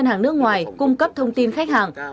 hàng nước ngoài cung cấp thông tin khách hàng